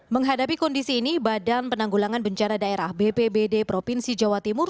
menghadapi kondisi ini badan penanggulangan bencana daerah bpbd provinsi jawa timur